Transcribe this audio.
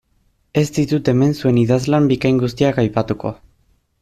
Ez ditut hemen zuen idazlan bikain guztiak aipatuko.